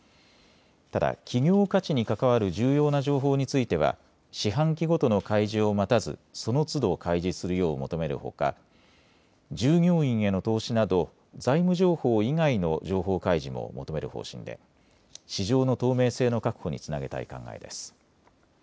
ただ企業価値に関わる重要な情報については四半期ごとの開示を待たず、そのつど開示するよう求めるほか従業員への投資など財務情報以外の情報開示も求める方針で市場の透明性の確保につなげたい考えです。